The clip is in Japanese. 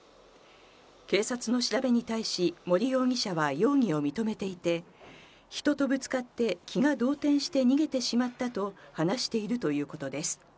警察の調べに対し、森容疑者は容疑を認めていて、人とぶつかって気が動転して逃げてしまったと話しているということです。